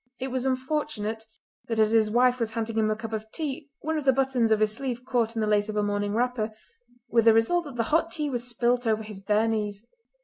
It was unfortunate that as his wife was handing him a cup of tea one of the buttons of his sleeve caught in the lace of her morning wrapper, with the result that the hot tea was spilt over his bare knees.